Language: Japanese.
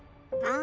あ。